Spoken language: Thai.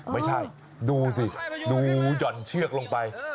ไม่ใช่ดูสิดูหย่อนเชือกลงไป